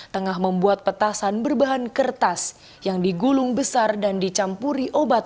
tengah membuat petasan berbahan kertas yang digulung besar dan dicampuri obat